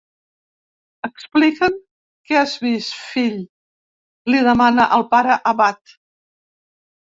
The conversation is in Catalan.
Explica'ns què has vist, fill —li demana el pare abat.